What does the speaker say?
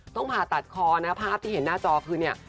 ผ่าตัดคอนะภาพที่เห็นหน้าจอคือเนี่ย